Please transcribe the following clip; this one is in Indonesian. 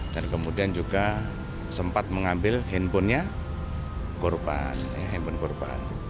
dan kemudian juga sempat mengambil handphonenya korban